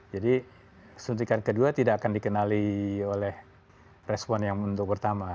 jadi suntikan kedua tidak akan dikenali oleh respon yang untuk pertama